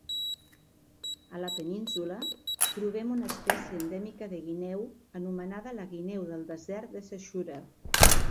A la península trobem una espècie endèmica de guineu anomenada la guineu del desert de Sechura.